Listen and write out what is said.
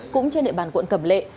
cũng trên địa bàn quận cẩm lệ